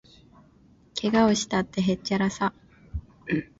けがをしたって、へっちゃらさ